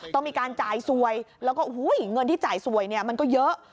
ต้องมีการจ่ายสวยแล้วก็เงินที่จ่ายสวยเนี่ยมันก็เยอะ